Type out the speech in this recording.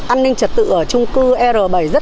an ninh trật tự ở trung cư er bảy